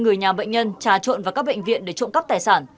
người nhà bệnh nhân trà trộn vào các bệnh viện để trộm cắp tài sản